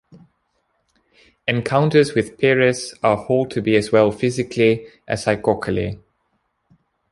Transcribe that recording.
Encounters with Peris are hold to be as well physically as psychocally.